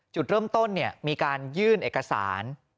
จุดเริ่มต้นมีการยื่นเอกสาร